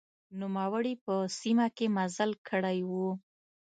نوموړي په سیمه کې مزل کړی و.